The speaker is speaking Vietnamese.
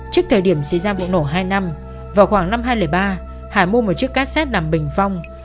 trước thời điểm xảy ra vụ nổ hai năm vào khoảng năm hai nghìn ba hải mua một chiếc cassette nằm bình phong